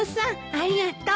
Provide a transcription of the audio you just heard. ありがとう。